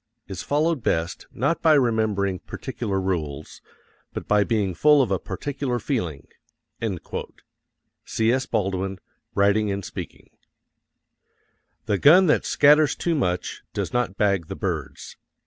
is followed best, not by remembering particular rules, but by being full of a particular feeling. C.S. BALDWIN, Writing and Speaking. The gun that scatters too much does not bag the birds.